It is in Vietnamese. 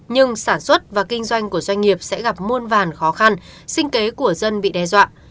nhưng sản xuất và kinh doanh của doanh nghiệp sẽ gặp muôn vàn khó khăn sinh kế của dân bị đe dọa